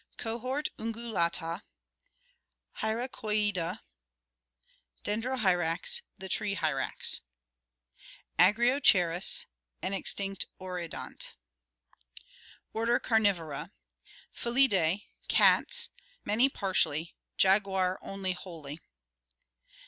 Cohort Ungulata. Hyracoidea: Dendrohyrax, the tree hyrax. Agriochcerus, an extinct orcodont. Order Carnivora. Feiidae, cats: many partially, jaguar only wholly.